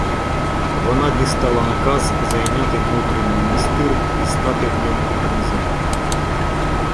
Вона дістала наказ зайняти Мотрин монастир і стати в ньому гарнізоном.